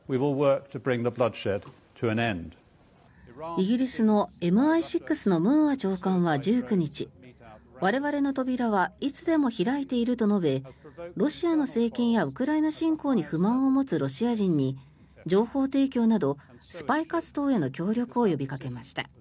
イギリスのＭＩ６のムーア長官は１９日我々の扉はいつでも開いていると述べロシアの政権やウクライナ侵攻に不満を持つロシア人に情報提供などスパイ活動への協力を呼びかけました。